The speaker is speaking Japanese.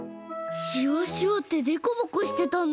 しわしわってでこぼこしてたんだ。